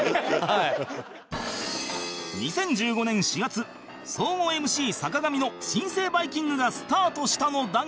２０１５年４月総合 ＭＣ 坂上の新生『バイキング』がスタートしたのだが